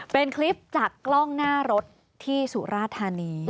เป็นคลิปจากกล้องหน้ารถที่สุราธานี